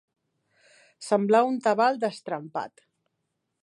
Semblar un tabal destrempat.